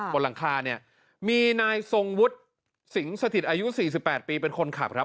บนหลังคาเนี่ยมีนายทรงวุฒิสิงสถิตอายุ๔๘ปีเป็นคนขับครับ